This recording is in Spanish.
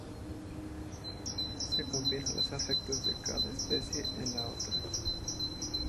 Se combina los efectos de cada especie en la otra.